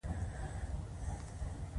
نیږدې درملتون چېرته ده؟